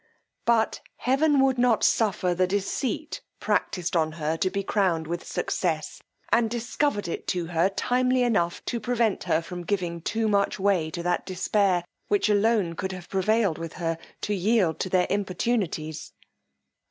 But heaven would not suffer the deceit practised on her to be crowned with success, and discovered it to her timely enough to prevent her from giving too much way to that despair, which alone could have prevailed with her to yield to their importunities.